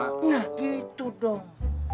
nah gitu dong